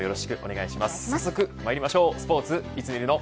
早速まいりましょうスポーツいつ見るの。